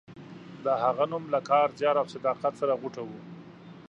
د هغه نوم له کار، زیار او صداقت سره غوټه و.